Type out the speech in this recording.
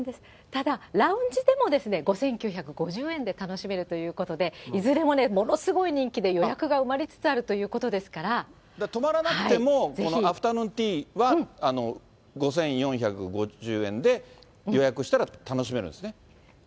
ただ、ラウンジでも５９５０円で楽しめるということで、いずれもね、ものすごい人気で予約が埋まりつつあるということですか泊まらなくても、このアフタヌーンティーは５４５０円で予約したら楽しめるんですね。